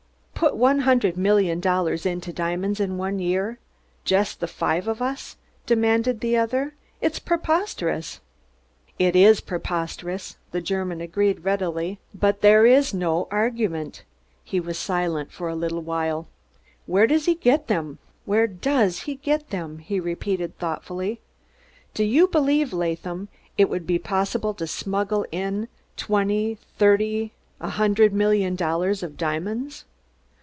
"Put one hundred million dollars into diamonds in one year just the five of us?" demanded the other. "It's preposterous." "Id iss brebosterous," the German agreed readily; "but das iss no argument." He was silent for a little while. "Vere does he ged dem? Vere does he ged dem?" he repeated thoughtfully. "Do you believe, Laadham, it vould be bossible to smuggle in dwenty, d'irty, ein hundred million dollars of diamonds?"